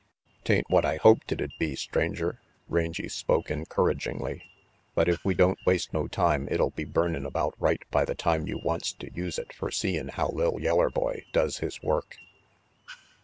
" 'Tain't what I hoped it'd be, Stranger," Rangy spoke encouragingly, "but if we don't waste no time, it'll be burnin' about right by the time you wants to use it fer seein' how li'l yeller boy does his work."